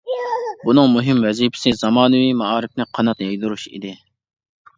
بۇنىڭ مۇھىم ۋەزىپىسى زامانىۋى مائارىپنى قانات يايدۇرۇش ئىدى.